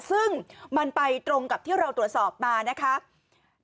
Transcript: ซึ่งมันไปตรงกับที่เราตรวจสอบมานะคะ